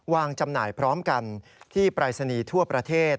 จำหน่ายพร้อมกันที่ปรายศนีย์ทั่วประเทศ